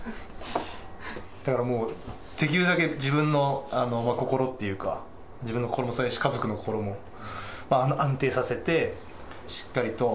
だからもうできるだけ自分の心というか自分の心もそうやし家族の心も安定させて。